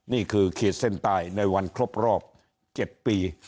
เขตเส้นใต้ในวันครบรอบ๗ปี